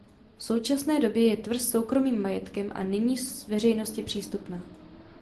V současné době je tvrz soukromým majetkem a není veřejnosti přístupná.